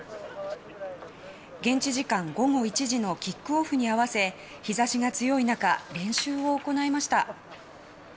現地時間午後１時のキックオフに合わせ日差しが強い中練習を行いました。